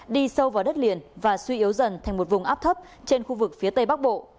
đi sâu vào đất liền và suy yếu dần thành một vùng áp thấp trên khu vực phía tây bắc bộ